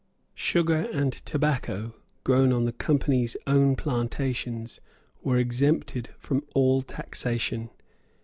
Sugar and tobacco grown on the Company's own plantations were exempted from all taxation.